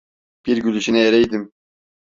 Bir gülüşüne ereydim.